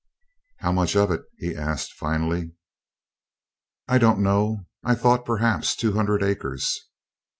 "How much of it?" he asked finally. "I don't know; I thought perhaps two hundred acres."